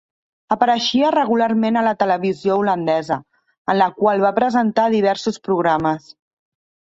Apareixia regularment a la televisió holandesa, en la qual va presentar diversos programes.